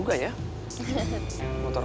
gak ada yang mau nanya